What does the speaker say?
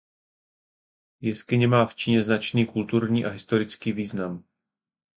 Jeskyně má v Číně značný kulturní a historický význam.